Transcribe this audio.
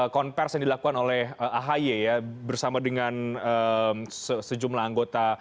konversi yang dilakukan oleh ahi bersama dengan sejumlah anggota